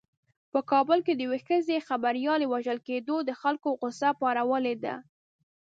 په کابل کې د یوې ښځینه خبریالې وژل کېدو د خلکو غوسه راپارولې ده.